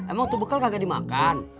emang tuh bekal kagak dimakan